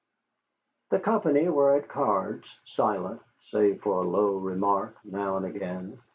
The company were at cards, silent, save for a low remark now and again.